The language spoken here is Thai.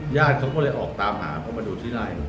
ญาติเขาก็เลยออกตามหาเพราะมาดูที่ไล่